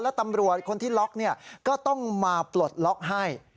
แล้วตำรวจคนที่ล็อกก็ต้องมาปลดล็อกให้